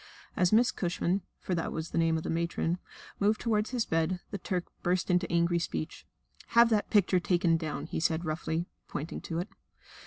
As Miss Cushman for that was the name of the matron moved toward his bed, the Turk burst into angry speech. "Have that picture taken down," he said roughly, pointing to it.